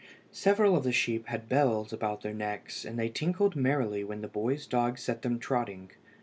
Several of the sheep had bells about their necks, and they tinkled merrily when the boy's dog set them trotting.